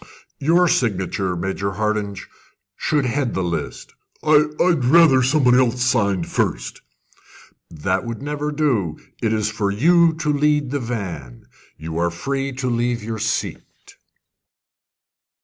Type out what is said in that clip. "Your signature, Major Hardinge, should head the list." "I I I'd rather somebody else signed first." "That would never do: it is for you to lead the van. You are free to leave your seat."